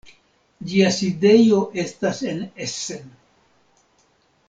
Ĝia sidejo estas en Essen.